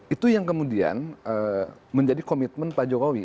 itu yang kemudian menjadi komitmen pak jokowi